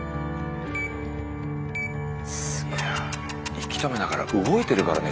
息止めながら動いてるからね